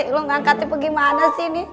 lu ngangkatnya pergi dimana sih